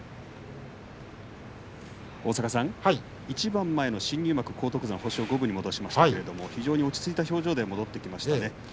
一番前の新入幕荒篤山、星を五分に戻しましたけれども、非常に落ち着いた表情で戻ってきましたね。